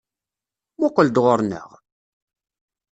Muqqel-d ɣuṛ-nneɣ!